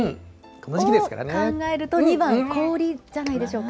この時期を考えると、２番、氷じゃないでしょうか。